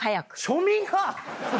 庶民派！